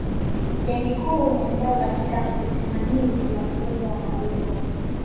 benki kuu ni mdau katika usimamizi wa mfumo wa malipo